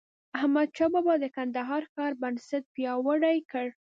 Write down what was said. احمدشاه بابا د کندهار ښار بنسټ پیاوړی کړ.